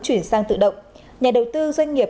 chuyển sang tự động nhà đầu tư doanh nghiệp